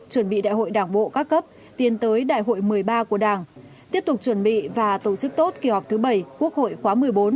chuẩn bị đại hội đảng bộ các cấp tiến tới đại hội một mươi ba của đảng tiếp tục chuẩn bị và tổ chức tốt kỳ họp thứ bảy quốc hội khóa một mươi bốn